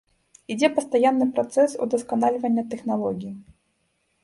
Ідзе пастаянны працэс удасканальвання тэхналогій.